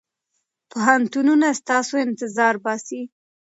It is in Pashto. پوهنتونونه ستاسو انتظار باسي.